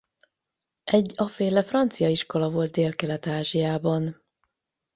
Egy afféle francia iskola volt Délkelet-Ázsiában.